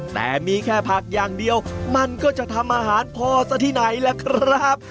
แต่มีแค่ผักอย่างเดียวมันก็จะทำอาหารพอซะที่ไหนล่ะครับ